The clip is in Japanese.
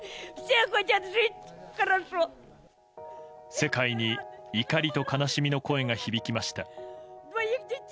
世界に怒りと悲しみの声が響きました。